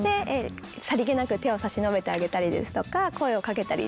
さりげなく手を差し伸べてあげたりですとか声をかけたり。